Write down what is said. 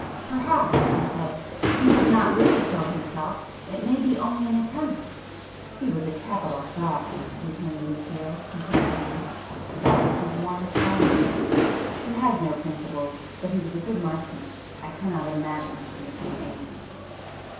"Perhaps," I said, "he has not really killed himself? It may be only an attempt?" "He was a capital shot"—returned Lucio composedly,—"That [p 114] was his one quality. He has no principles,—but he was a good marksman. I cannot imagine his missing aim."